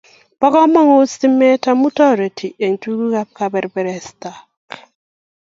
Po kamanut stimet amu toriti eng tukuk ab kabebersataek